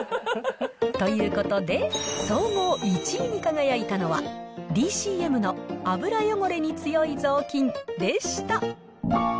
ということで、総合１位に輝いたのは、ＤＣＭの油汚れに強いぞうきんでした。